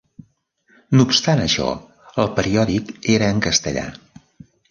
No obstant això, el periòdic era en castellà.